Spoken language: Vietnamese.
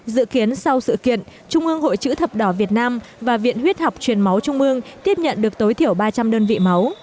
dự kiến sau sự kiện trung ương hội chữ thập đỏ việt nam và viện huyết học truyền máu trung ương tiếp nhận được tối thiểu ba trăm linh đơn vị máu